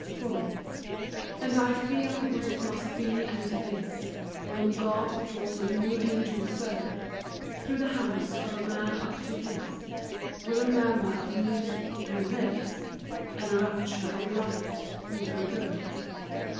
iv. And I feel what it must be and is, When God draws a new angel so Through the house of a man up to His, With a murmur of music, you miss, And a rapture of light, you forego.